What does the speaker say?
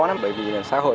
này bà vừa làm cái gì rồi